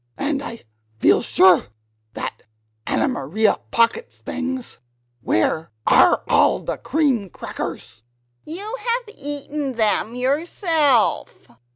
"And I feel sure that Anna Maria pockets things "Where are all the cream crackers?" "You have eaten them yourself."